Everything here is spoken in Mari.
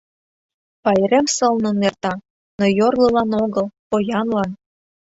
Пайрем сылнын эрта, но йорлылан огыл, поянлан.